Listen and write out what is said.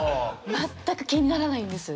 全く気にならないんです。